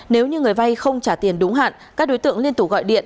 nếu như người vay không trả tiền đúng hạn các đối tượng liên tục gọi điện